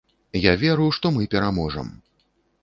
Я веру, што мы пераможам.